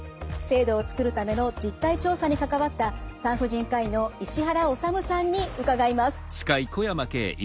制度を作るための実態調査に関わった産婦人科医の石原理さんに伺います。